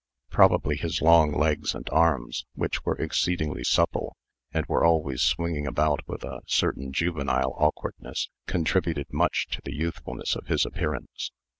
Probably his long legs and arms, which were exceedingly supple, and were always swinging about with a certain juvenile awkwardness, contributed much to the youthfulness of his appearance.